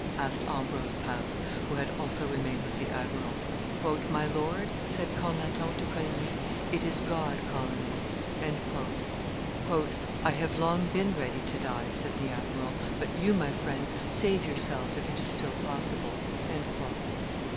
asked Ambrose Pare, who had also remained with the admiral. "My lord," said Cornaton to Coligny, "it is God calling us." "I have long been ready to die," said the admiral; "but you, my friends, save yourselves, if it is still possible."